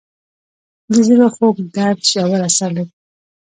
د زړه خوږ درد ژور اثر لري.